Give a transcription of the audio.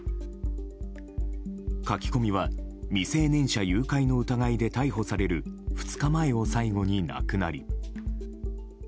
書き込みは未成年者誘拐の疑いで逮捕される２日前を最後になくなり。